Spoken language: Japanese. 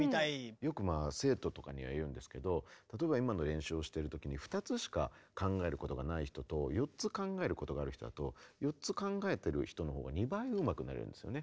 よく生徒とかには言うんですけど例えば今の練習をしてる時に２つしか考えることがない人と４つ考えることがある人だと４つ考えてる人のほうが２倍うまくなれるんですよね。